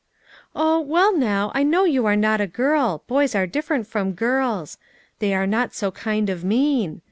" Oh, well now, I know, you are not a girl ; boys are different from girls. They are not so kind of mean